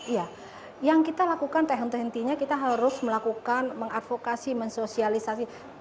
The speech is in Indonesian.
ya yang kita lakukan tehent tehentinya kita harus melakukan mengadvokasi mensosialisasi